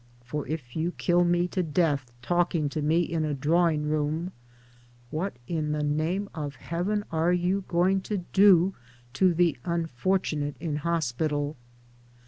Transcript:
For if you kill me to death talking to me in a drawing room, what in the name of heaven are you going to do to the unfortunate in hospital